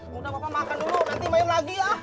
sudah bapak makan dulu nanti main lagi ah